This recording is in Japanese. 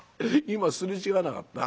今擦れ違わなかった？」。